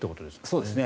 そうですね。